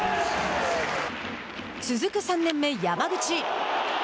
続く３年目、山口。